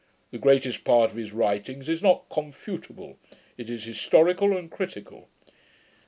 The greatest part of his writings is not confutable: it is historical and critical.'